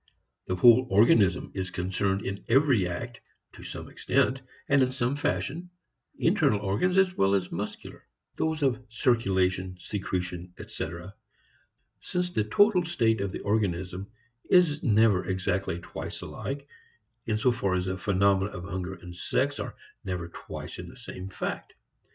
The whole organism is concerned in every act to some extent and in some fashion, internal organs as well as muscular, those of circulation, secretion, etc. Since the total state of the organism is never exactly twice alike, in so far the phenomena of hunger and sex are never twice the same in fact.